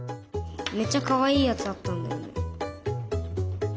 めっちゃかわいいやつあったんだよね。